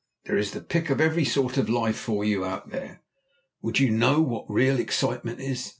There is the pick of every sort of life for you out there. Would you know what real excitement is?